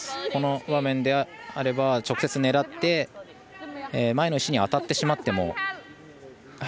この場面では直接狙って前の石に当たってしまっても。